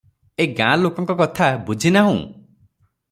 ଏ ଗାଁ ଲୋକଙ୍କ କଥା ବୁଝି ନାହୁଁ?